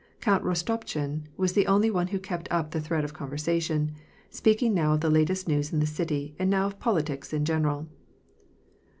Count Rostopehin was the only one who kept up the thread of con versation, speaking now of the latest news in the city, and now of politics in general.